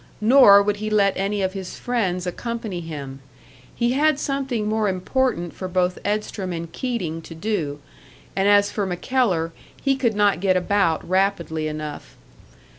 Nor would he let any of his friends accompany him; he had something more important for both Edstrom and Keating to do and as for MacKellar, he could not get about rapidly enough.